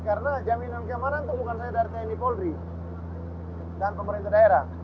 karena jaminan kamar itu bukan dari saya dari tni polri dan pemerintah daerah